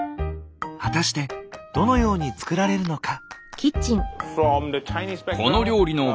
果たしてどのように作られるのか？